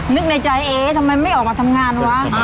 นึกในใจเอ๊ทำไมไม่ออกมาทำงานวะ